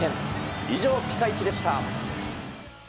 以上、ピカイチでした。